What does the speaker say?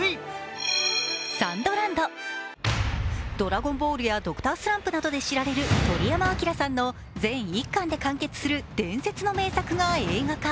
「ドラゴンボール」や「Ｄｒ．スランプ」などで知られる鳥山明さんの全１巻で完結する伝説の名作が映画化。